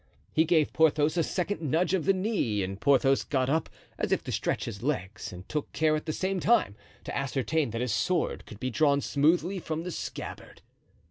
He gave Porthos a second nudge of the knee and Porthos got up as if to stretch his legs and took care at the same time to ascertain that his sword could be drawn smoothly from the scabbard.